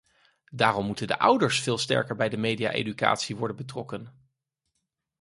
Daarom moeten de ouders veel sterker bij de media-educatie worden betrokken.